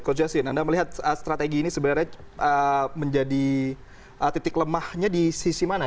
coach justin anda melihat strategi ini sebenarnya menjadi titik lemahnya di sisi mana